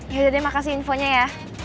yaudah deh makasih infonya ya